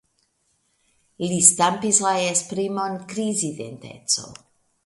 Li stampis la esprimon "krizidenteco".